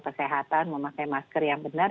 kesehatan memakai masker yang benar